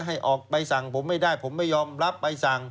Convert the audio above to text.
ให้ออกใบสั่งผมไม่ได้ผมไม่ยอมรับใบสั่ง